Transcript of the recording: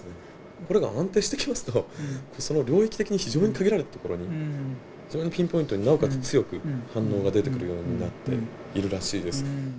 これが安定してきますとその領域的に非常に限られたところにピンポイントになおかつ強く反応が出てくるようになっているらしいです。